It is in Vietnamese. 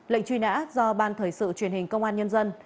lệnh truy nã do ban thời sự truyền hình công an nhân dân